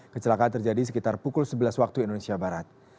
kecelakaan terjadi sekitar pukul sebelas waktu indonesia barat